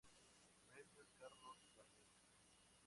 Premios Carlos Gardel